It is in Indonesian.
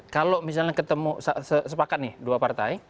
kalau misalnya ketemu sepakat nih dua partai